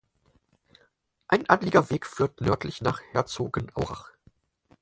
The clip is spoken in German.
Ein Anliegerweg führt nördlich nach Herzogenaurach.